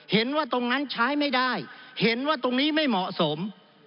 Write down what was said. เห็นว่าตรงนั้นใช้ไม่ได้เห็นว่าตรงนี้ไม่เหมาะสม